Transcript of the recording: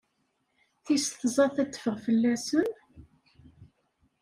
Tis tẓat ad teffeɣ fell-asen?